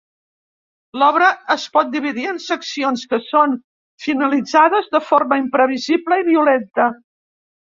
L'obra es pot dividir en seccions, que són finalitzades de forma imprevisible i violenta.